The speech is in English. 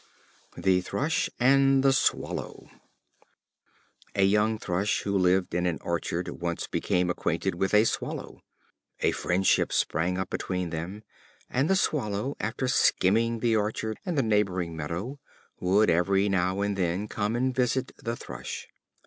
The Thrush and the Swallow. A young Thrush, who lived in an orchard once became acquainted with a Swallow. A friendship sprang up between them; and the Swallow, after skimming the orchard and the neighboring meadow, would every now and then come and visit the Thrush.